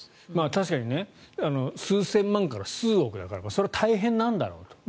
確かに数千万から数億円だからそれは大変なんだろうと。